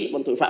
bọn tội phạm